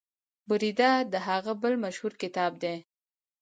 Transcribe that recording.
بریده د هغه بل مشهور کتاب دی.